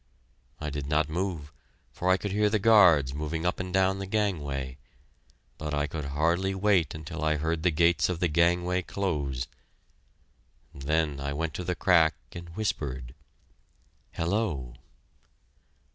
I did not move, for I could hear the guards moving up and down the gangway, but I could hardly wait until I heard the gates of the gangway close. Then I went to the crack and whispered. "Hello!"